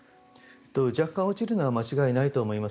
若干落ちるのは間違いないと思います。